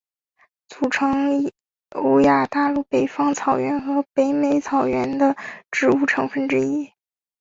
是组成欧亚大陆北方草原和北美草原的植物成分之一。